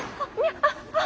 あっ！